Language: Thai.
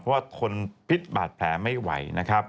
เพราะว่าคนพิษบาดแผลไม่ไหว